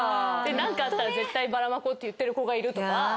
何かあったら絶対バラまこうって言ってる子がいるとか。